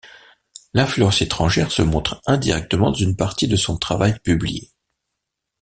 L'influence étrangère se montre indirectement dans une partie de son travail publié.